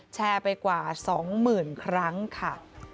แชร์ไปกว่า๒๐๐๐ครั้งค่ะ